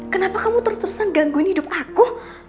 kenapa kamu terus terusan gangguin hidup aku